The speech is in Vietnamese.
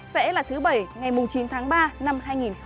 sẽ là thứ bảy ngày chín tháng ba năm hai nghìn một mươi chín